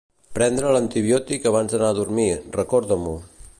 Prendre l'antibiòtic abans d'anar a dormir, recorda-m'ho.